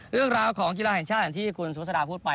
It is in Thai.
เรื่องราวของกีฬาแห่งชาติอย่างที่คุณสุภาษาพูดไป